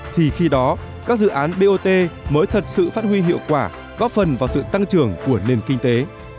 thì khi đó các dự án bot mới thật sự phát huy hiệu quả góp phần vào sự tăng trưởng của nền kinh tế